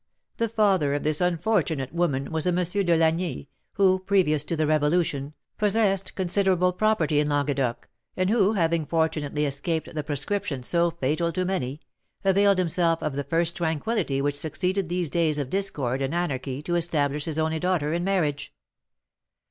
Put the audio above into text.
The father of this unfortunate woman was a M. de Lagny, who, previous to the Revolution, possessed considerable property in Languedoc, and who, having fortunately escaped the proscription so fatal to many, availed himself of the first tranquillity which succeeded these days of discord and anarchy to establish his only daughter in marriage.